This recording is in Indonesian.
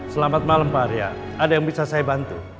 selamat malam pak arya ada yang bisa saya bantu